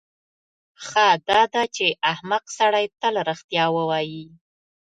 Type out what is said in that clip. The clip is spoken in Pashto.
ښه داده چې احمق سړی تل رښتیا ووایي.